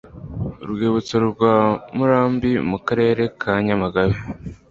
uwibutso rwa murambi mu karere ka nyamagabe